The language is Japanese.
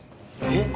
えっ！？